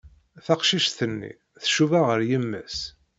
Taqcict-nni tcuba ɣer yemma-s.